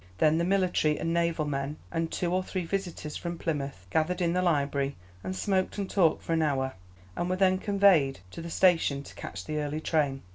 Then the military and naval men, and two or three visitors from Plymouth, gathered in the library, and smoked and talked for an hour, and were then conveyed to the station to catch the early train.